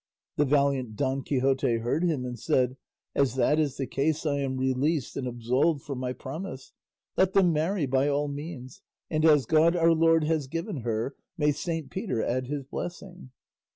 The valiant Don Quixote heard him, and said, "As that is the case I am released and absolved from my promise; let them marry by all means, and as 'God our Lord has given her, may Saint Peter add his blessing.